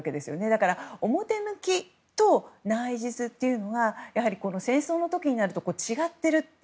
だから、表向きと内実というのがやはり戦争の時になると違っていると。